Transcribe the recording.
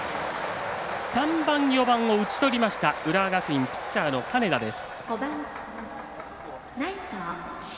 ３番、４番を打ち取りました浦和学院のピッチャーの金田です。